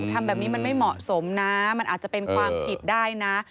ทำแบบนี้มันไม่เหมาะสมนะมันอาจจะเป็นความผิดได้นะ